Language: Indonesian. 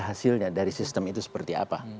hasilnya dari sistem itu seperti apa